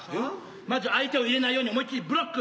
まじゅ相手を入れないように思いっ切りブロック。